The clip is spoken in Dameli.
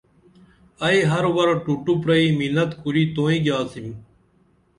ائی ہر ور ٹُوٹُو پرئی مِنت کُری توئیں گیاڅم